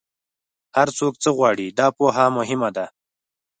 هر څوک څه غواړي، دا پوهه مهمه ده.